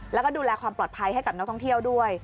แล้วก็ดูแลความปลอดภัยให้กับนักท่องเที่ยวด้วย